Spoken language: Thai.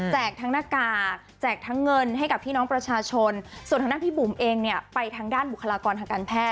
ทั้งหน้ากากแจกทั้งเงินให้กับพี่น้องประชาชนส่วนทางด้านพี่บุ๋มเองเนี่ยไปทางด้านบุคลากรทางการแพท